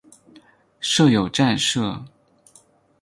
设有站舍。